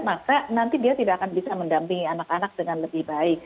maka nanti dia tidak akan bisa mendampingi anak anak dengan lebih baik